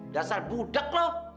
dasar budak lo